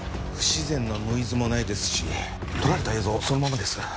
不自然なノイズもないですし撮られた映像そのままです。